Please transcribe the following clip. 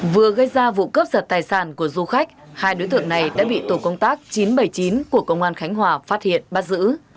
vừa gây ra vụ cướp giật tài sản của du khách hai đối tượng này đã bị tổ công tác chín trăm bảy mươi chín của công an khánh hòa phát hiện bắt giữ